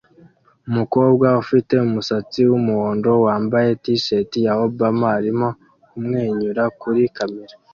umukobwa ufite umusatsi wumuhondo wambaye t-shirt ya Obama arimo kumwenyura kuri kamera